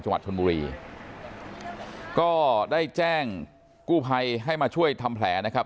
จังหวัดชนบุรีก็ได้แจ้งกู้ภัยให้มาช่วยทำแผลนะครับ